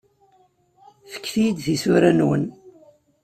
Fket-iyi-d tisura-nwen.